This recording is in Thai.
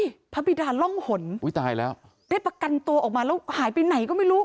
นี่พระบิดาล่องหนอุ้ยตายแล้วได้ประกันตัวออกมาแล้วหายไปไหนก็ไม่รู้